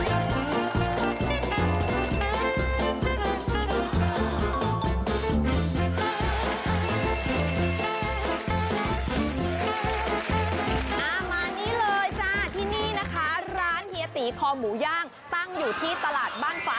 มานี่เลยจ้าที่นี่นะคะร้านเฮียตีคอหมูย่างตั้งอยู่ที่ตลาดบ้านฟ้า